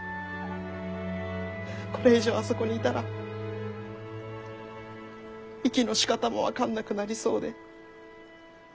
これ以上あそこにいたら息のしかたも分かんなくなりそうで。